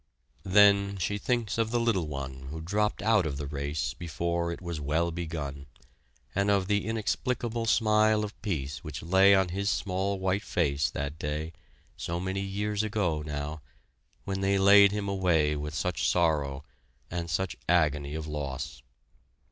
Then she thinks of the little one who dropped out of the race before it was well begun, and of the inexplicable smile of peace which lay on his small white face, that day, so many years ago now, when they laid him away with such sorrow, and such agony of loss.